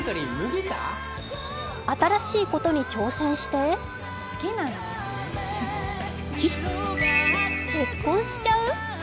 新しいことに挑戦して、結婚しちゃう！？